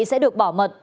sẽ được bảo mật